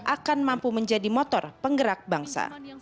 akan mampu menjadi motor penggerak bangsa